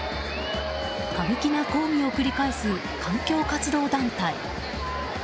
過激な抗議を繰り返す環境活動団体。